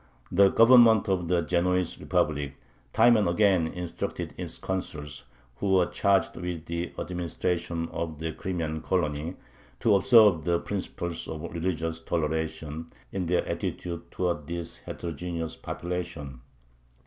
The Government of the Genoese Republic time and again instructed its consuls who were charged with the administration of the Crimean colony to observe the principles of religious toleration in their attitude towards this heterogeneous population.